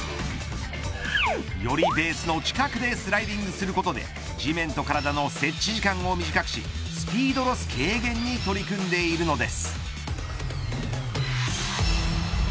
よりベースの近くでスライディングをすることで地面と体の接地時間を短くしスピードロス軽減に取り組んでいるのです。